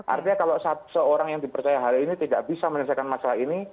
artinya kalau seorang yang dipercaya hari ini tidak bisa menyelesaikan masalah ini